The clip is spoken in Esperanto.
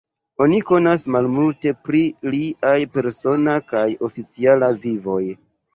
Oni konas malmulte pri liaj persona kaj oficiala vivoj.